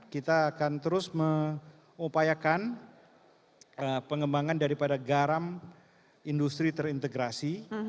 kita akan terus mengupayakan pengembangan daripada garam industri terintegrasi